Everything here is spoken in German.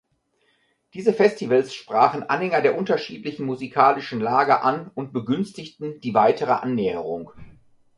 Diese Festivals sprachen Anhänger der unterschiedlichen musikalischen Lager an und begünstigten die weitere Annäherung.